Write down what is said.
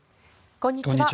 こんにちは。